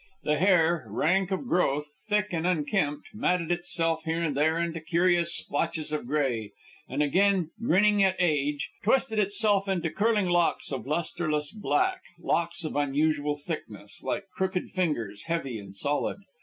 The hair, rank of growth, thick and unkempt, matted itself here and there into curious splotches of gray; and again, grinning at age, twisted itself into curling locks of lustreless black locks of unusual thickness, like crooked fingers, heavy and solid.